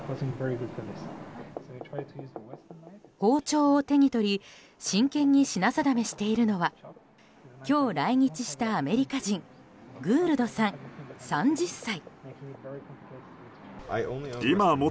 包丁を手にとり真剣に品定めしているのは今日、来日したアメリカ人グールドさん、３０歳。